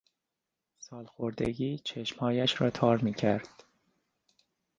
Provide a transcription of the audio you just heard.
سالخوردگی چشمهایش را تار میکرد.